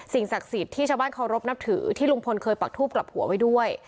ศักดิ์สิทธิ์ที่ชาวบ้านเคารพนับถือที่ลุงพลเคยปักทูบกลับหัวไว้ด้วย